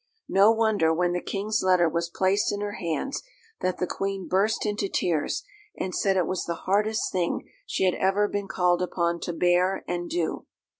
No wonder, when the King's letter was placed in her hands, that the Queen burst into tears, and said it was the hardest thing she had ever been called upon to bear and do.